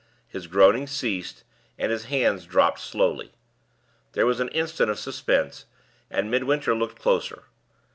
His groaning ceased, and his hands dropped slowly. There was an instant of suspense and Midwinter looked closer.